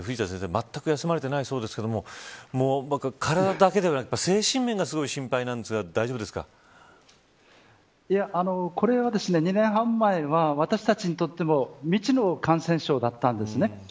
まったく休まれていないそうですが体だけではなく、精神面がすごい心配なんですがこれは２年半前は、私たちにとっても未知の感染症だったんですね。